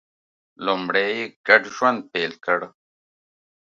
لومړی یې ګډ ژوند پیل کړ